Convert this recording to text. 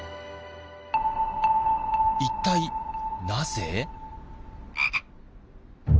一体なぜ？